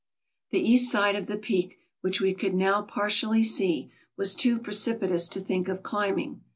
The east side of the peak, which we could now partially see, was too precipitous to think of climbing.